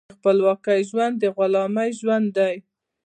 بې خپلواکۍ ژوند د غلامۍ ژوند دی.